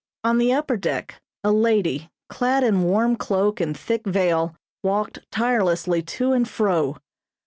On the upper deck, a lady, clad in warm cloak and thick veil, walked tirelessly to and fro.